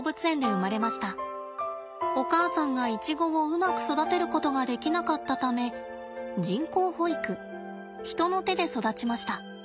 お母さんがイチゴをうまく育てることができなかったため人工哺育人の手で育ちました。